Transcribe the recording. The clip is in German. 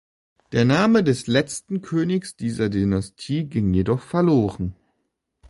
Der Name des letzten Königs dieser Dynastie ging jedoch verloren.